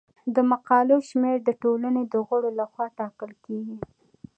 د مقالو شمیر د ټولنې د غړو لخوا ټاکل کیږي.